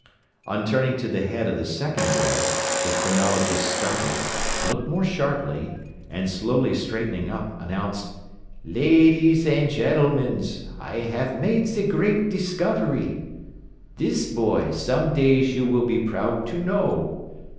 On turning to the head of the second boy, the phrenologist started, looked more sharply, and slowly straightening up, announced, "Ladees and gentlemans, I have made ze great discovery. This boy some days you will be proud to know.